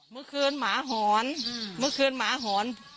เมื่อคืนหมาหอนเมื่อคืนหมาหอน